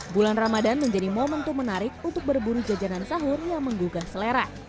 bulan ramadan menjadi momentum menarik untuk berburu jajanan sahur yang menggugah selera